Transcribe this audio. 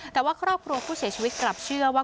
แต่ว่าครอบครัวผู้เสียชีวิตกลับเชื่อว่า